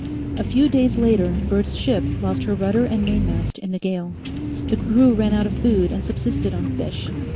A few days later Bert's ship lost her rudder and mainmast in a gale. The crew ran out of food and subsisted on fish.